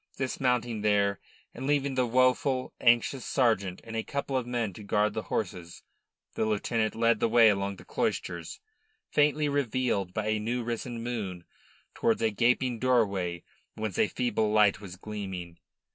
Dismounting there, and leaving the woefully anxious sergeant and a couple of men to guard the horses, the lieutenant led the way along the cloisters, faintly revealed by a new risen moon, towards a gaping doorway whence a feeble light was gleaming.